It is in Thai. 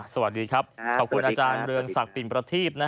สวัสดีครับขอบคุณอาจารย์เรืองศักดิ์ปิ่นประทีป